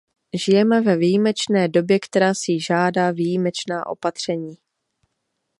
Žijeme ve výjimečné době, která si žádá výjimečná opatření.